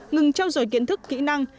ngừng trao dồi kiến thức kỹ năng